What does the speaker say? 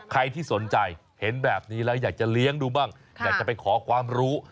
ใครที่สนใจเห็นแบบนี้แล้วอยากจะเลี้ยงดูบ้างอยากจะไปขอความรู้